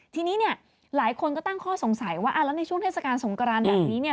ทีนี้เนี่ยหลายคนก็ตั้งข้อสงสัยว่าแล้วในช่วงเทศกาลสงกรานแบบนี้เนี่ย